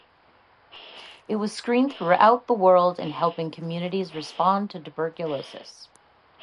It was screened throughout the world in helping communities respond to tuberculosis.